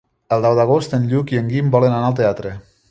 El deu d'agost en Lluc i en Guim volen anar al teatre.